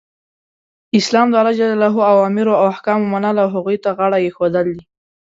اسلام د الله ج اوامرو او احکامو منل او هغو ته غاړه ایښودل دی .